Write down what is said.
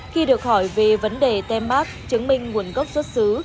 khi được hỏi về vấn đề tem mát chứng minh nguồn gốc xuất xứ